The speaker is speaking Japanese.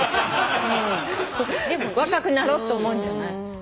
若くなろうって思うんじゃない。